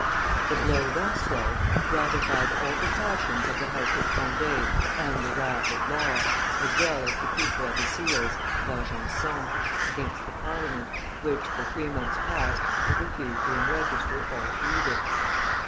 The blow thus dealt gratified all the passions of the House of Conde and the wrath of Law, as well as that of the keeper of the seals, D'Argenson, against the Parliament, which for three months past had refused to enregister all edicts.